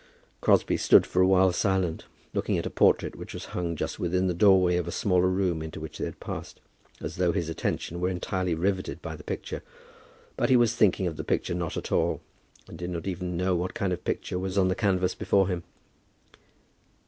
Crosbie stood for a while silent, looking at a portrait which was hung just within the doorway of a smaller room into which they had passed, as though his attention were entirely riveted by the picture. But he was thinking of the picture not at all, and did not even know what kind of painting was on the canvas before him.